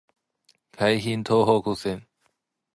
京浜東北線